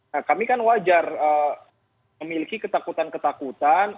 nah kami kan wajar memiliki ketakutan ketakutan